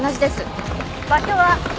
「場所は？」